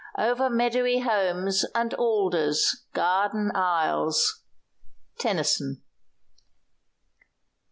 Over meadowy holms And alders, garden aisles." TENNYSON.